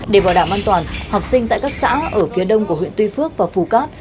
để bảo đảm an toàn học sinh tại các xã ở phía đông của huyện tuy phước và phú cát